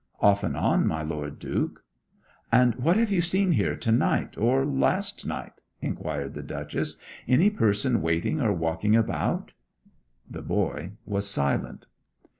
'Off and on, my Lord Duke.' 'And what have you seen here to night or last night?' inquired the Duchess. 'Any person waiting or walking about?' The boy was silent.